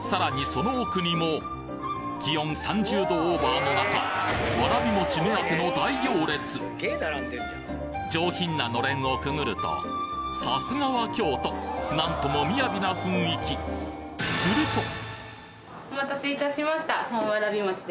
その奥にも気温３０度オーバーの中わらび餅目当ての上品な暖簾をくぐるとさすがは京都なんとも雅な雰囲気お待たせいたしました。